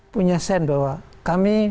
punya sen bahwa kami